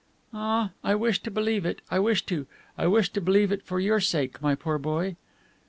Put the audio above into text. "Ah, I wish to believe it. I wish to. I wish to believe it for your sake, my poor boy."